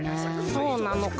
そうなのか？